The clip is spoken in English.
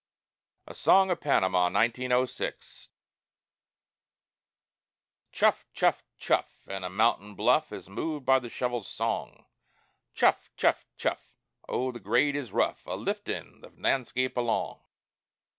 A SONG OF PANAMA "Chuff! chuff! chuff!" An' a mountain bluff Is moved by the shovel's song; "Chuff! chuff! chuff!" Oh, the grade is rough A liftin' the landscape along!